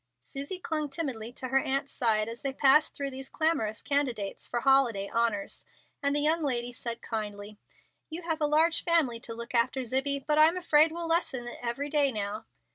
Susie clung timidly to her aunty's side as they passed through these clamorous candidates for holiday honors, and the young lady said, kindly, "You have a large family to look after, Zibbie, but I'm afraid we'll lessen it every day now."